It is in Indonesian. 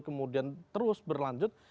kemudian terus berlanjut